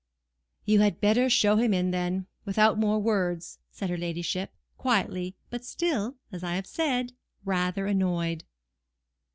"You had better show him in then, without more words," said her ladyship, quietly, but still, as I have said, rather annoyed.